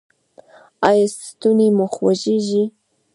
ایا ستونی مو خوږیږي؟